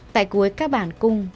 tại cuối các bản cung